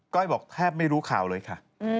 บอกแทบไม่รู้ข่าวเลยค่ะ